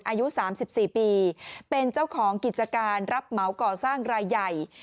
อายุ๓๔ปีเป็นเจ้าของกิจการรับเหมาก่อสร้างรายใหญ่